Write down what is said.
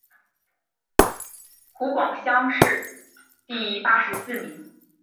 湖广乡试第八十四名。